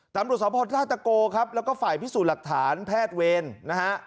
ตำรวจสพท่าตะโกครับแล้วก็ฝ่ายพิสูจน์หลักฐานแพทย์เวรนะฮะ